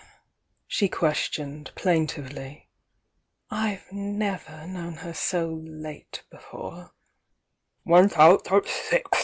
she questioned, plain tivety. "I've never known her so late befor^/ fuU^rh«^)!